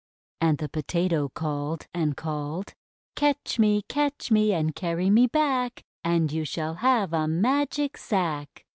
And the Potato called and called: — "Catch me! Catch me! And carry me back ! And you shall have a Magic Sack!"